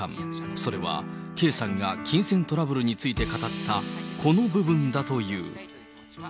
それは、圭さんが金銭トラブルについて語った、この部分だという。